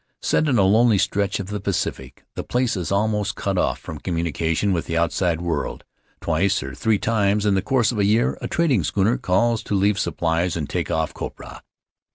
Set in a lonely stretch of the Pacific, the place is almost cut off from communication with the outside world; twice or three times in the course of a year a trading schooner calls to leave supplies and take off copra.